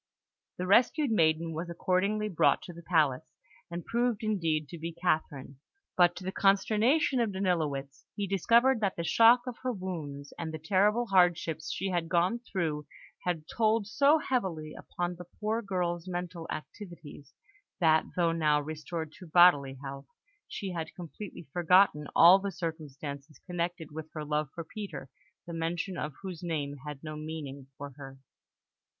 The rescued maiden was accordingly brought to the palace, and proved indeed to be Catherine; but, to the consternation of Danilowitz, he discovered that the shock of her wounds and the terrible hardships she had gone through had told so heavily upon the poor girl's mental activities, that, though now restored to bodily health, she had completely forgotten all the circumstances connected with her love for Peter, the mention of whose name had no meaning for her.